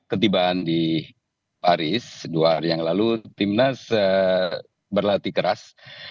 ketibaan di paris dua hari yang lalu timnas berlatih keras